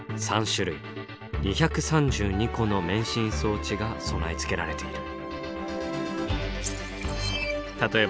３種類２３２個の免震装置が備え付けられている。